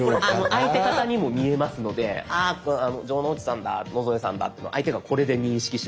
相手方にも見えますので城之内さんだ野添さんだって相手がこれで認識しますので。